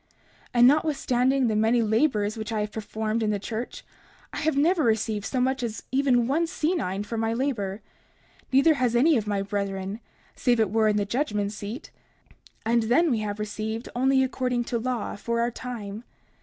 30:33 And notwithstanding the many labors which I have performed in the church, I have never received so much as even one senine for my labor; neither has any of my brethren, save it were in the judgment seat; and then we have received only according to law for our time.